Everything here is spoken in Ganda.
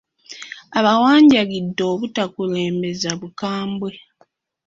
Abawanjagidde obutakulembeza bukambwe.